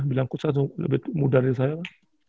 bilang coach kan lebih muda dari saya